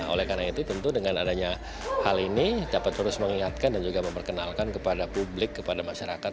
oleh karena itu tentu dengan adanya hal ini dapat terus mengingatkan dan juga memperkenalkan kepada publik kepada masyarakat